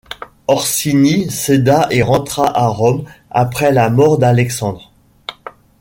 Orsini céda et rentra à Rome après la mort d'Alexandre.